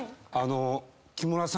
木村さん